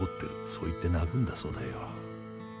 そう言って泣くんだそうだよ。